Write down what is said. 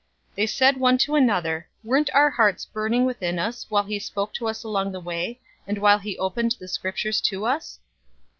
024:032 They said one to another, "Weren't our hearts burning within us, while he spoke to us along the way, and while he opened the Scriptures to us?"